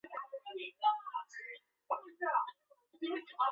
县莅位于东兴市镇。